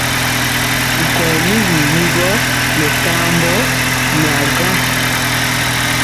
Nkɔyɛ mi wiwi gɔ nɛ kambɔ nɛ a gaŋ.